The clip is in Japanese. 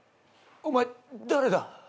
お前誰だ？